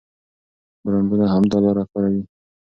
برانډونه هم دا لاره کاروي.